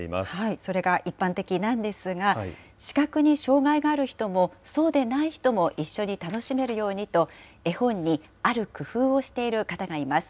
それが一般的なんですが、視覚に障害がある人もそうでない人も一緒に楽しめるようにと、絵本にある工夫をしている方がいます。